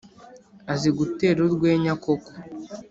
Azi gutera urwenya koko